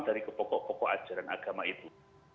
dari kepokok pokok ajaran agama itu